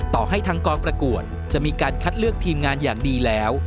ต่อให้ทางกองประกวดจะมีการคัดเลือกทีมงานอย่างดีแล้ว